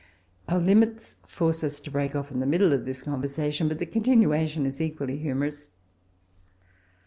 Oar limits force ns to break off in the middle of this conversation, b«t the continuation is equally hamorons.